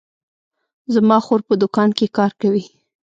زما خور په دوکان کې کار کوي